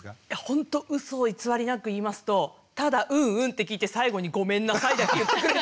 ほんとうそ偽りなく言いますとただ「うんうん」って聞いて最後に「ごめんなさい」だけ言って。